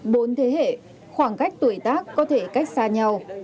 bốn thế hệ khoảng cách tuổi tác có thể cách xa nhau